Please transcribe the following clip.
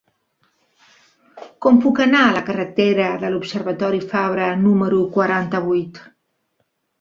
Com puc anar a la carretera de l'Observatori Fabra número quaranta-vuit?